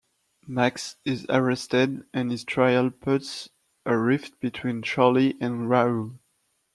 Max is arrested and his trial puts a rift between Shirley and Rahul.